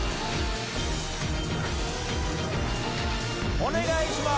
お願いします！